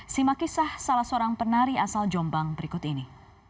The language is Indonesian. simakisah salah seorang penari asal jombang berikut ini